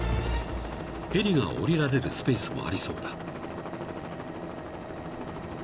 ［ヘリが降りられるスペースもありそうだ］